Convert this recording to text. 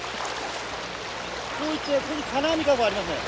こう行ってここに金網籠ありますね。